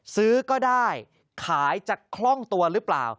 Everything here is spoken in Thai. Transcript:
ซื้อก็ได้ขายจะคล่องตัวหรือเปล่า